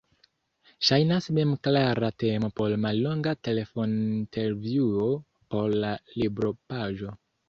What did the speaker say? Ŝajnas memklara temo por mallonga telefonintervjuo por la libropaĝo.